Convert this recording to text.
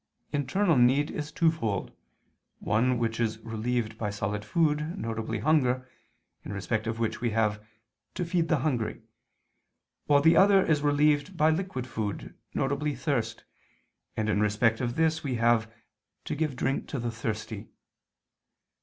Internal need is twofold: one which is relieved by solid food, viz. hunger, in respect of which we have to feed the hungry; while the other is relieved by liquid food, viz. thirst, and in respect of this we have _to give drink to the thirsty.